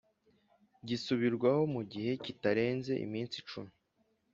Gisubirwaho mu gihe kitarenze iminsi cumi